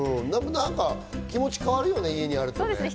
気持ち変わるよね、家にあるとね。